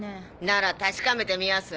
なら確かめてみやす？